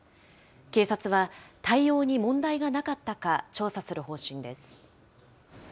警察は対応に問題がなかったか、調査する方針です。